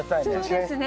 そうですね。